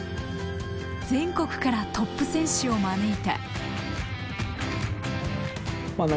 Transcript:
全国からトップ選手を招いた。